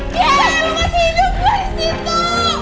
kek lo masih hidup gue disitu